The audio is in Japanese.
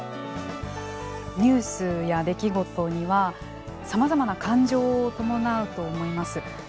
ニュースや出来事にはさまざまな感情を伴うと思います。